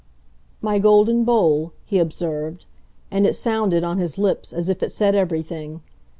"My Golden Bowl," he observed and it sounded, on his lips, as if it said everything.